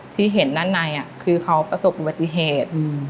ที่เห็นนั่นในอะคือเขาประสบประติเหตุ